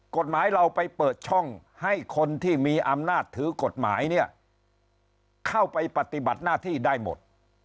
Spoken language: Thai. กฎหมายเราไปเปิดช่องให้คนที่มีอำนาจถือกฎหมายเนี่ยเข้าไปปฏิบัติหน้าที่ได้หมด